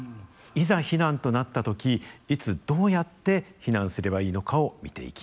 いざ避難となった時いつどうやって避難すればいいのかを見ていきます。